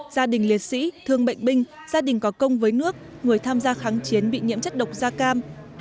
gia đình liệt sĩ thương bệnh binh gia đình có công với nước người tham gia kháng chiến bị nhiễm chất độc da cam